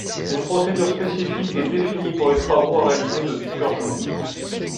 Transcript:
Une procédure spécifique et définie pour les travaux à réaliser de toute urgence.